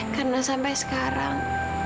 karena sampai sekarang